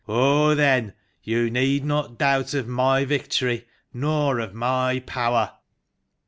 " On, then ! You need not doubt of my victory, nor of my power.